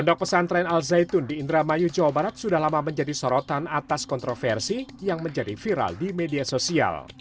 pondok pesantren al zaitun di indramayu jawa barat sudah lama menjadi sorotan atas kontroversi yang menjadi viral di media sosial